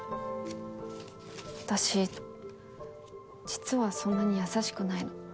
私実はそんなに優しくないの。